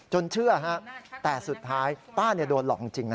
จนเชื่อฮะแต่สุดท้ายต้านี่โดนหลอกจริงนะฮะ